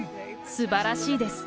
すばらしいです。